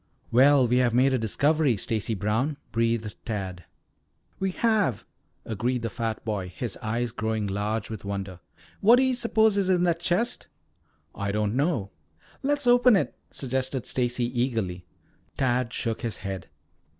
"Well, we have made a discovery, Stacy Brown!" breathed Tad. "We have," agreed the fat boy, his eyes growing large with wonder. "What do you suppose is in that chest?" "I don't know." "Let's open it," suggested Stacy eagerly. Tad shook his head.